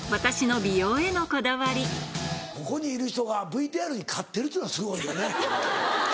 ここにいる人がＶＴＲに勝ってるっていうのがすごいよね。